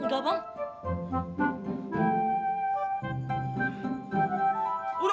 udah pergi lu